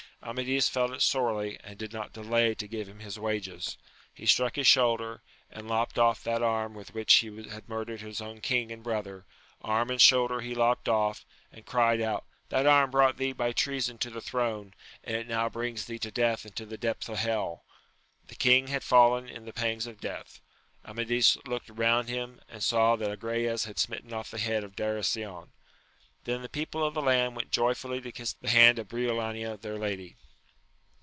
Amadis felt it sorely, and did not delay to give him his wages : he stnxck \:d& ^<:svii^<6\^ ^sl^ 240 AMADIS OF GAUL. lopt off that arm with which he had murdered his own king and brother ; arm and shoulder he lopt o£^ and cried out, That arm brought thee by treason to the throne, and it now brings thee to death and the depth of hell ! The king had fallen in the , pangs of death. Amadis looked round him, and saw that Agrayes had smitten off the head of Darasion. Then the people of the land went joyfully to kiss the hand of Briolania their* lady.